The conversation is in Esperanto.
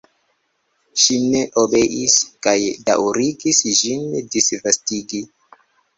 Ŝi ne obeis kaj daŭrigis ĝin disvastigi.